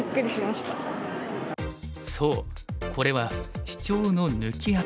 そうこれはシチョウの抜き跡。